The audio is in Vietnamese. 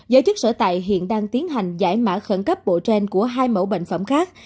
giới chức sở tại hiện đang tiến hành giải mã khẩn cấp bộ trên của hai mẫu bệnh phẩm khác